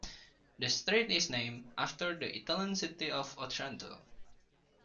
The strait is named after the Italian city of Otranto.